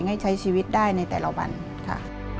ให้ใช้ชีวิตได้ในแต่ละวันค่ะ